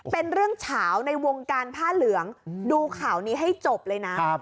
เป็นเรื่องเฉาในวงการผ้าเหลืองดูข่าวนี้ให้จบเลยนะ